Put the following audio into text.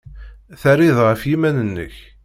Terrid ɣef yiman-nnek.